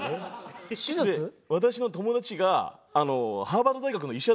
私の友達がハーバード大学の医者なんです。